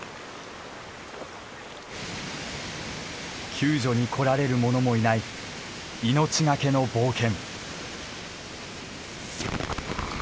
救助に来られる者もいない命懸けの冒険。